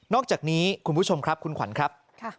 อกจากนี้คุณผู้ชมครับคุณขวัญครับ